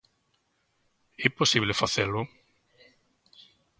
¿É posible facelo?